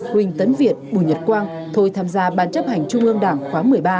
huỳnh tấn việt bùi nhật quang thôi tham gia ban chấp hành trung ương đảng khóa một mươi ba